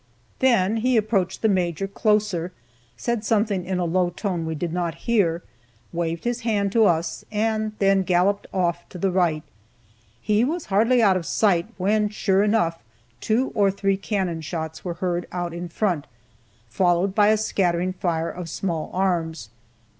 Then he approached the Major closer, said something in a low tone we did not hear, waved his hand to us, and then galloped off to the right. He was hardly out of sight, when sure enough, two or three cannon shots were heard out in front, followed by a scattering fire of small arms.